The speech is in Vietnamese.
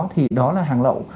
thì đó là hàng lậu